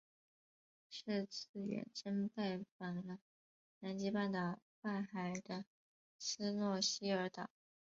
是次远征拜访了南极半岛外海的斯诺希尔岛。